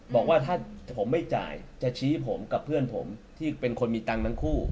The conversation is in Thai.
บอกว่าถ้าผมไม่จ่ายจะชี้ผมกับเพื่อนผมที่เป็นคนมีตังค์ทั้งคู่